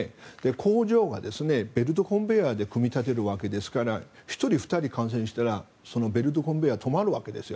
工場がベルトコンベヤーで組み立てるわけですから１人、２人感染したらそのベルトコンベヤー止まるわけですよ。